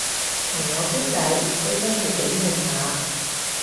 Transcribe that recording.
同我傾偈都真係幾悶下